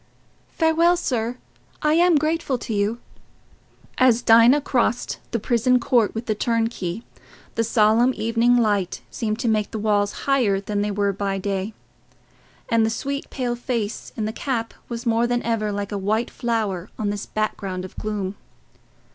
"Farewell, sir. I am grateful to you." As Dinah crossed the prison court with the turnkey, the solemn evening light seemed to make the walls higher than they were by day, and the sweet pale face in the cap was more than ever like a white flower on this background of gloom.